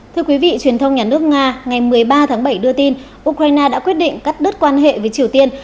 thưa quý vị truyền thông nhà nước nga ngày một mươi ba tháng bảy đưa tin ukraine đã quyết định cắt đứt quan hệ với triều tiên